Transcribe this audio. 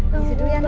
tenggak ngem policet